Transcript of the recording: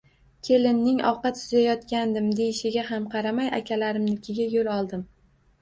Kelinning Ovqat suzayotgandim, deyishiga ham qaramay, akalarimnikiga yo`l oldim